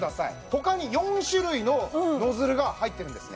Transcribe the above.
他に４種類のノズルが入ってるんですね